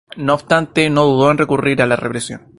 No obstante no dudó en recurrir a la represión.